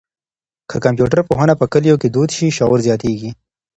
که کمپيوټر پوهنه په کلیو کي دود شي، شعور زیاتېږي.